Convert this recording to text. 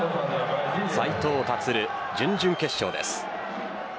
斉藤立、準々決勝です。